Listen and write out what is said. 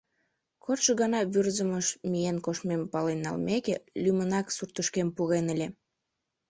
— Кодшо гана Вӱрзымыш миен коштмем пален налмеке, лӱмынак суртышкем пурен ыле.